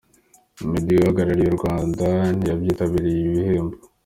Meddy uhagarariye u Rwanda ntiyitabiriye ibi bihembo.